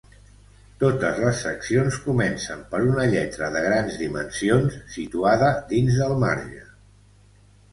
Totes les seccions comencen per una lletra de grans dimensions situada dins del marge.